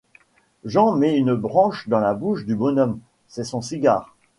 Jean met une branche dans la bouche du bonhomme : c’est son cigare.